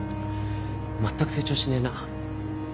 全く成長しねえな。